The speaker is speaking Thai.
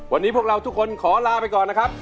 วันนี้พวกเราทุกคนขอลาไปก่อนนะครับ